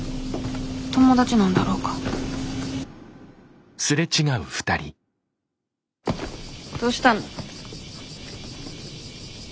友達なんだろうかどうしたの？